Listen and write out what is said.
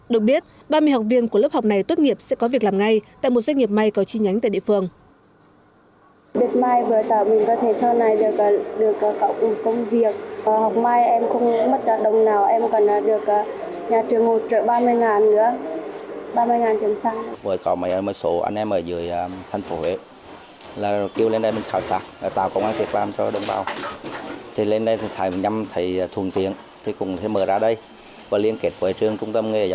được biết ba mươi học viên của lớp học này tuất nghiệp sẽ có việc làm ngay tại một doanh nghiệp may có chi nhánh tại địa phương